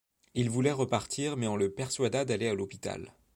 Il voulait repartir mais on le persuada d’aller à l’hôpital.